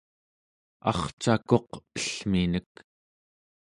arcakuq ellminek